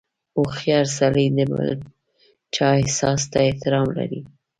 • هوښیار سړی د بل چا احساس ته احترام لري.